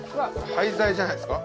廃材じゃないですか